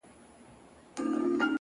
هره هیله د حرکت غوښتنه کوي.